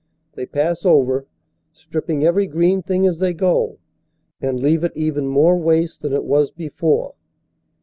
They pass over, stripping every green thing as they go, and leave it even more waste than it was before.